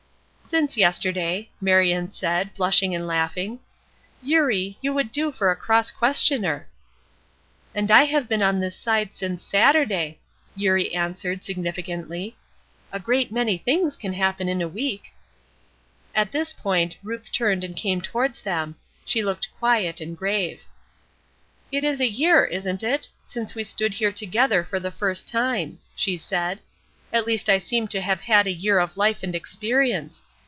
"Since yesterday," Marion said, blushing and laughing. "Eurie, you would do for a cross questioner." "And I have been on this side since Saturday,'" Eurie answered, significantly. "A great many things can happen in a week." At this point, Ruth turned and came towards them. She looked quiet and grave. "It is a year, isn't it? since we stood here together for the first time," she said. "At least I seem to have had a year of life and experience.